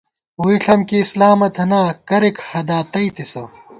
ووئی ݪم کی اسلامہ تھنا کرېک ہدا تئیتِسہ